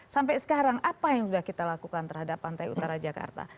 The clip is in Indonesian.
sampai sekarang apa yang sudah kita lakukan terhadap pantai utara jakarta